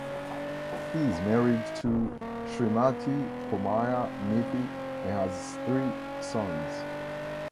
He is married to Shrimati Pomaya Mithi and has three sons.